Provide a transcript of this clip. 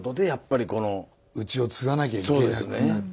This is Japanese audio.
うちを継がなきゃいけなくなって。